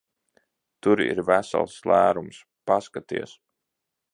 Tur ir vesels lērums. Paskaties!